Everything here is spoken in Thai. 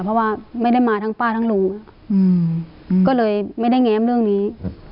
เพราะว่าไม่ได้มาทั้งป้าทั้งลุงก็เลยไม่ได้แง้มเรื่องนี้